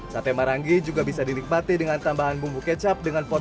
sate marangi juga bisa dinikmati dengan tambahan bumbu kacang atau bumbu kacang